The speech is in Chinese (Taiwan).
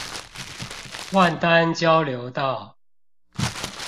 萬丹交流道